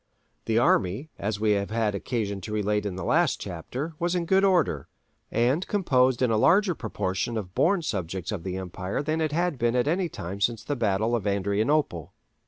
The army, as we have had occasion to relate in the last chapter, was in good order, and composed in a larger proportion of born subjects of the empire than it had been at any time since the battle of Adrianople.